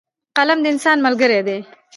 قلم د انسان ملګری دی.